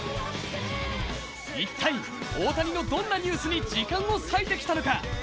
一体、大谷のどんなニュースに時間を割いてきたのか。